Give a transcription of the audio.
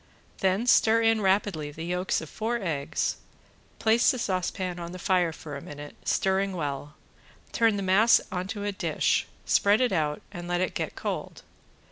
Then stir in rapidly the yolks of four eggs, place the saucepan on the fire for a minute, stirring well, turn the mass onto a dish, spread it out and let it get cold.